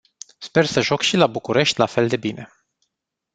Sper să joc și la București la fel de bine.